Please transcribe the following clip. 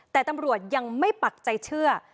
แต่ตำรวจยังไม่ปักใจเชื่อ